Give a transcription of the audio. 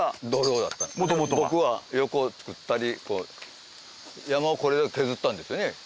僕は横を造ったり山をこれを削ったんですよね